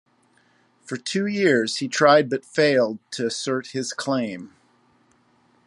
For two years he tried but failed to assert his claim.